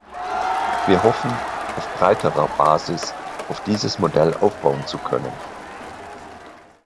Wir hoffen, auf breiterer Basis auf dieses Modell aufbauen zu können.